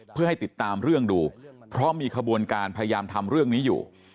เพื่อให้ติดตามเรื่องดูเพราะมีขบวนการพยายามทำเรื่องนี้อยู่